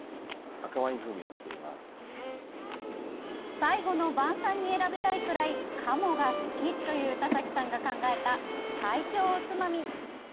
最後の晩さんに選びたいくらい鴨が好きという田崎さんが考えた最強おつまみ。